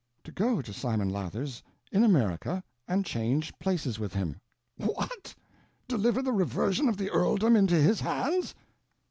"To go to Simon Lathers, in America, and change places with him." "What? Deliver the reversion of the earldom into his hands?"